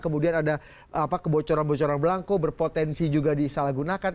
kemudian ada kebocoran bocoran belangko berpotensi juga disalahgunakan